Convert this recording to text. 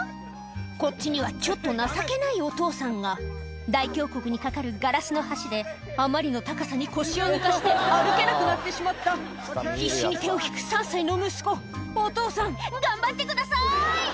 こっちにはちょっと情けないお父さんが大峡谷に架かるガラスの橋であまりの高さに腰を抜かして歩けなくなってしまった必死に手を引く３歳の息子お父さん頑張ってください！